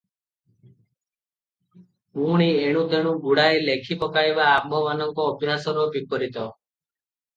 ପୁଣି ଏଣୁ ତେଣୁ ଗୁଡ଼ାଏ ଲେଖିପକାଇବା ଆମ୍ଭମାନଙ୍କ ଅଭ୍ୟାସର ବୀପରୀତ ।